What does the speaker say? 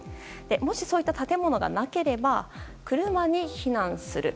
もし、そういった建物がなければ車に避難する。